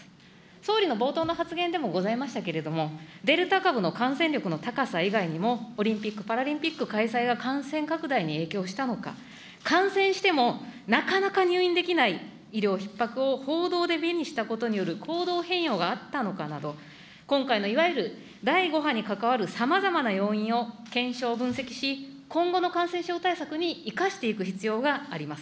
総理の冒頭の発言でもございましたけれども、デルタ株の感染力の高さ以外にも、オリンピック・パラリンピック開催が感染拡大に影響したのか、感染してもなかなか入院できない医療ひっ迫を報道で目にしたことによる行動変容があったのかなど、今回のいわゆる第５波に関わるさまざまな要因を検証、分析し、今後の感染症対策に生かしていく必要があります。